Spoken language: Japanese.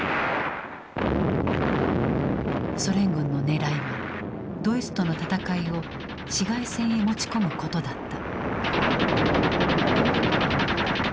ソ連軍のねらいはドイツとの戦いを市街戦へ持ち込むことだった。